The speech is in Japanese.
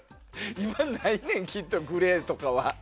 今、ないねんグレーとかは。